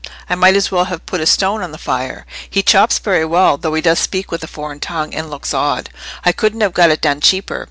I might as well have put a stone on the fire. He chops very well, though he does speak with a foreign tongue, and looks odd. I couldn't have got it done cheaper.